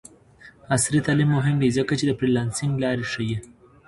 عصري تعلیم مهم دی ځکه چې د فریلانسینګ لارې ښيي.